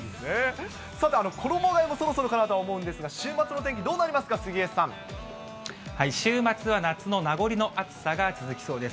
さて、衣がえもそろそろかなと思うんですが、週末の天気どうなりますか、杉江さん。週末は夏の名残の暑さが続きそうです。